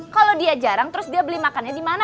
kalau dia jarang terus dia beli makannya di mana